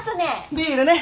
ビールね。